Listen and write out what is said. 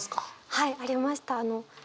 はいありました。